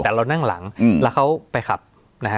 แต่เรานั่งหลังแล้วเขาไปขับนะฮะ